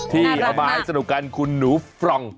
ที่เอามาให้สนุกกันคุณหนูฟรอง